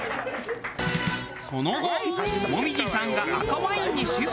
その後紅葉さんが赤ワインにシフトすれば。